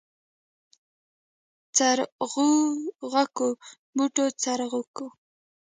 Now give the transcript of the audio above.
څرخکو بوته څرخکو.